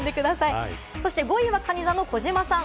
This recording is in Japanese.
そして５位はかに座の児嶋さん。